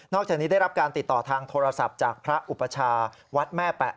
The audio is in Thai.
จากนี้ได้รับการติดต่อทางโทรศัพท์จากพระอุปชาวัดแม่แปะ